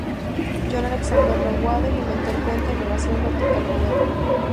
John Alexander Low Waddell inventó el puente de elevación vertical moderno.